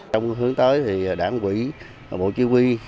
trong hướng tới thì đảng quỷ bộ chí huy